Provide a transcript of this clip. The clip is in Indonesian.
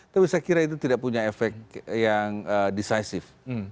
tapi saya kira itu tidak punya efek yang decisive